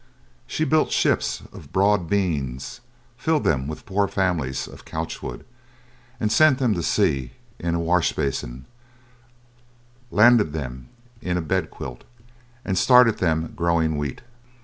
She built ships of broad beans, filled them with poor families of Couchwood, sent them to sea in a wash basin, landed them in a bed quilt, and started them growing wheat.